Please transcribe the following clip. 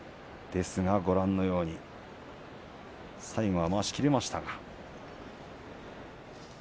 ですがご覧のように最後はまわしが切れました。